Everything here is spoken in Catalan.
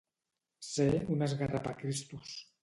Ser un esgarrapacristos.